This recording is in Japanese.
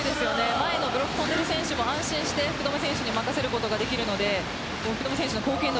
前のブロックの選手も安心して福留選手に任せることができるので福留選手の貢献度